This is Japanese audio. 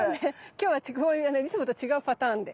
今日はこういういつもと違うパターンで。